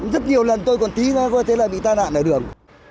rất nhiều lần tôi còn tí nó có thể là bị tai nạn ở đường